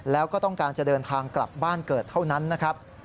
แล้วก็ต้องการจะเดินทางกลับบ้านเกิดเท่านั้นนะครับ